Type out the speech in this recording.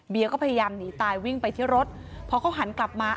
ก็พยายามหนีตายวิ่งไปที่รถพอเขาหันกลับมา